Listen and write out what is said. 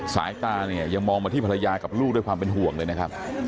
สายตาเนี่ยยังมองมาที่ภรรยากับลูกด้วยความเป็นห่วงเลยนะครับ